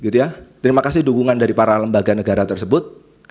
terima kasih dukungan dari para lembaga negara tersebut